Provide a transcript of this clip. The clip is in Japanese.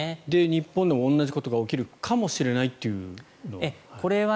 日本でも同じことが起きるかもしれないというのは？